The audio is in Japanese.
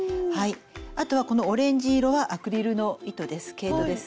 あとはこのオレンジ色はアクリルの糸です。